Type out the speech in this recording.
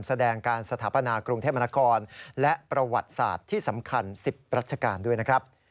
แสดงการสถาปนากรุงเทพมนครและประวัติศาสตร์ที่สำคัญ๑๐รัชกาลด้วยนะครับ